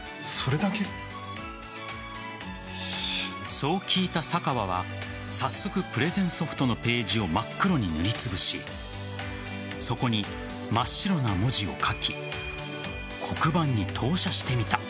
そう聞いた坂和は早速、プレゼンソフトのページを真っ黒に塗りつぶしそこに真っ白な文字を書き黒板に投写してみた。